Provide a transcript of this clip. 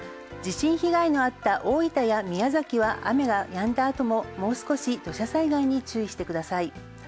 地震被害のあった大分や宮崎は雨がやんだ後ももう少し土砂災害に注意してください。